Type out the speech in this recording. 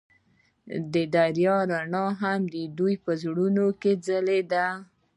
د دریا رڼا هم د دوی په زړونو کې ځلېده.